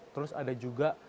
terus ada juga